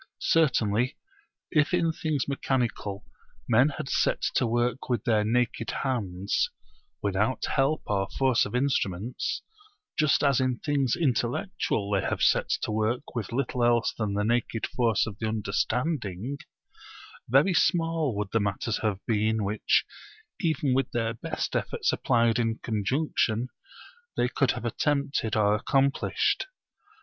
Certainly if in things mechanical men had set to work with their naked hands, without help or force of instruments, just as in things intellectual they have set to work with little else than the naked forces of the understanding, very small would the matters have been which, even with their best efforts applied in conjunction, they could have attempted or accomplished.